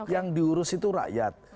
yang diurus itu rakyat